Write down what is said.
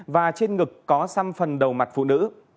và trên ngực có xăm phần đầu mặt phụ nữ